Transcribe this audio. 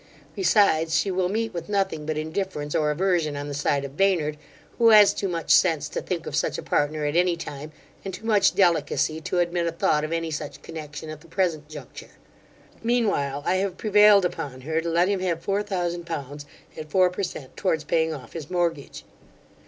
Besides, she will meet with nothing but indifference or aversion on the side of Baynard, who has too much sense to think of such a partner at any time, and too much delicacy to admit a thought of any such connexion at the present juncture Meanwhile, I have prevailed upon her to let him have four thousand pounds at four per cent towards paying off his mortage.